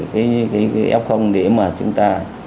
cái f để mà chúng ta